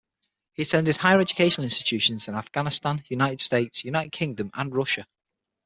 He attended higher educational institutions in Afghanistan, United States, United Kingdom and Russia.